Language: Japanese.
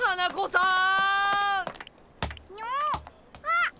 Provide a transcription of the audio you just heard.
あっ！